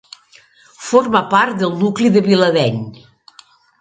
Forma part del nucli de Vilandeny.